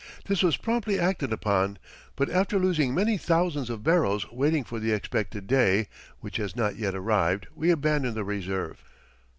This was promptly acted upon, but after losing many thousands of barrels waiting for the expected day (which has not yet arrived) we abandoned the reserve.